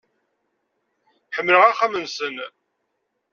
Ḥemmleɣ axxam-nsen.